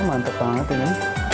oke mantap banget ini